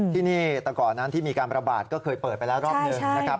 ที่นี่แต่ก่อนนั้นที่มีการประบาดก็เคยเปิดไปแล้วรอบหนึ่งนะครับ